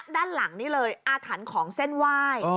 ด้านหลังนี้เลยอาถรรพ์ของเส้นไหว้